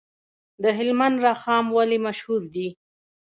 د هلمند رخام ولې مشهور دی؟